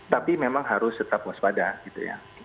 tapi memang harus tetap waspada gitu ya